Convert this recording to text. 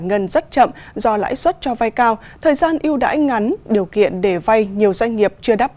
ngân rất chậm do lãi suất cho vay cao thời gian ưu đãi ngắn điều kiện để vay nhiều doanh nghiệp chưa đáp ứng